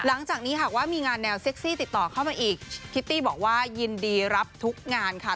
อันนี้เป็นติวิชั่นของพี่จอดภาดาบาริสค่ะ